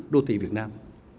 đô thị việt nam